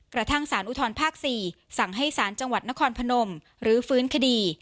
กระทั่งสารอุทธรภาค๔สั่งให้สารจังหวัดนครพนมรื้อฟื้นคดี